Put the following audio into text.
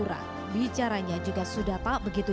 jadi para tengkulak itu